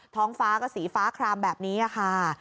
ท้องฟ้าก็สีฟ้าคลามแบบนี้ค่ะ